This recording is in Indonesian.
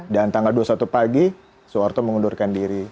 dan tanggal dua puluh satu pagi suharto mengundurkan diri